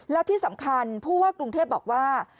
แล้วที่สำคัญผู้ว่ากรุงเทพบอกว่า